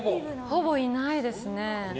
ほぼいないですね。